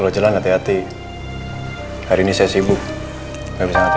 kalo jalan hati hati hari ini saya sibuk gak bisa ngatirin